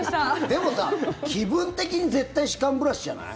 でもさ、気分的に絶対、歯間ブラシじゃない？